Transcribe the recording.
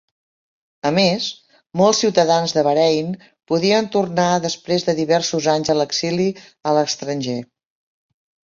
A més, molts ciutadans de Bahrain podien tornar després de diversos anys a l"exili a l"estranger.